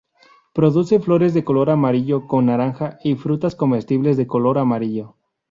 Produce flores de color amarillo con naranja y frutas comestibles de color amarillo.